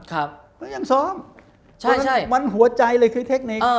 ก็ยังซ้อมมันหัวใจเลยคือเทคนิค